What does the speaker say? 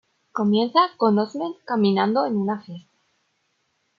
Comienza con Osment caminando en una fiesta.